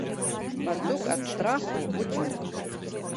Пацук ад страху ўцёк.